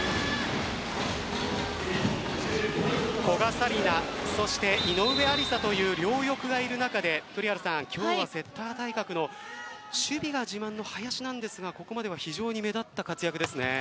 古賀紗理那、そして井上愛里沙という両翼がいる中で今日はセッター対角の守備が自慢の林なんですがここまでは非常に目立った活躍ですね。